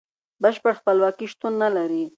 بشپړه خپلواکي شتون نلري.